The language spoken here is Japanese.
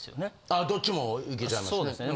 ああどっちもいけちゃいますね。